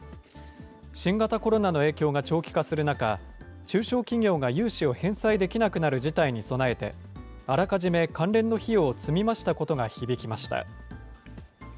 新型コロナの影響が長期化する中、中小企業が融資を返済できなくなる事態に備えて、あらかじめ関連の費用を積み増したことが響きました。